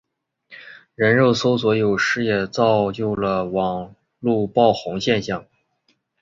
人肉搜索有时也造就了网路爆红现象。